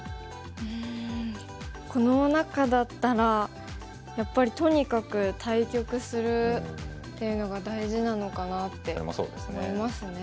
うんこの中だったらやっぱり「とにかく対局する」っていうのが大事なのかなって思いますね。